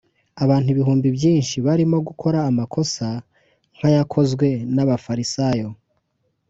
abantu ibihumbi byinshi barimo gukora amakosa nk’ayakozwe n’abafarisayo